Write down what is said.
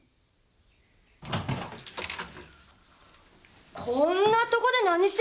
こんなとこで何してんだてめえ！